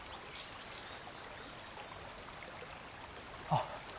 あっ！